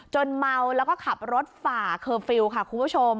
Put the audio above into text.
เมาแล้วก็ขับรถฝ่าเคอร์ฟิลล์ค่ะคุณผู้ชม